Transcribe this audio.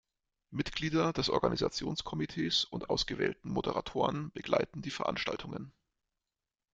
Mitglieder des Organisationskomitees und ausgewählte Moderatoren begleiten die Veranstaltungen.